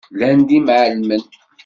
Llan d imεellmen.